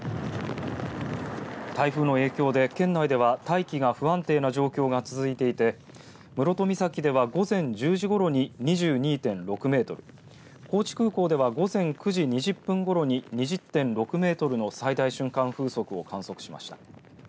台風の影響で、県内では大気が不安定な状況が続いていて室戸岬では、午前１０時ごろに２２．６メートル高知空港では午前９時２０分ごろに２０．６メートルの最大瞬間風速を観測しました。